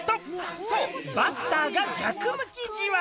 そうバッターが逆向きじわ。